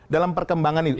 dalam perkembangan ini